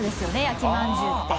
焼きまんじゅうって。